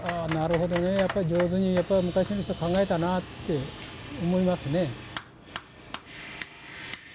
なるほどねやっぱり上手に昔の人考えたなって思いますね